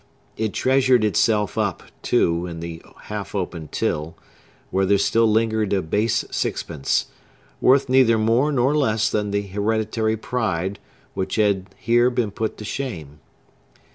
It treasured itself up, too, in the half open till, where there still lingered a base sixpence, worth neither more nor less than the hereditary pride which had here been put to shame.